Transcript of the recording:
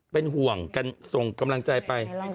เป็นห่วงกันส่งกำลังใจไป